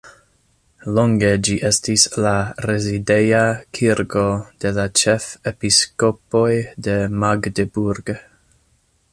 Longe ĝi estis la rezideja kirko de la ĉefepiskopoj de Magdeburg.